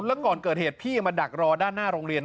แล้วก่อนเกิดเหตุพี่มาดักรอด้านหน้าโรงเรียน